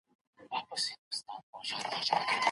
هغه کورنۍ چې ماشوم ته وخت ورکوي، مثبت نسل روزي.